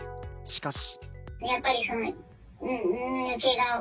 しかし。